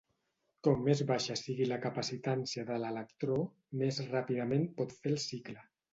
Com més baixa sigui la capacitància de l'electró, més ràpidament pot fer el cicle.